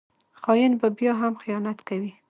خاین به بیا هم خیانت کوي